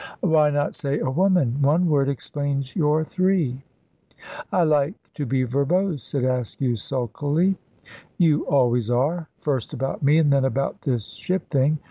"Why not say a woman? One word explains your three." "I like to be verbose," said Askew, sulkily. "You always are first about me, and then about this ship thing.